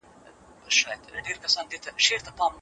څوک غواړي پلاوی په بشپړ ډول کنټرول کړي؟